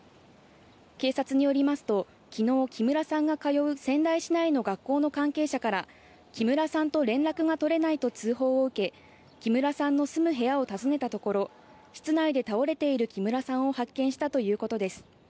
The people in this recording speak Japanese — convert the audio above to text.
警察によりますと昨日木村さんが通う仙台市内の学校関係者から木村さんと連絡が取れないと通報を受け木村さんの住む部屋を訪ねたところ室内で倒れている木村さんを発見したということです。